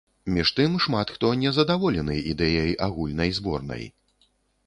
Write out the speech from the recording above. Між тым шмат хто незадаволены ідэяй агульнай зборнай.